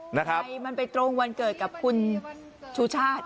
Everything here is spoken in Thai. ทำไมมันไปตรงวันเกิดกับคุณชูชาติ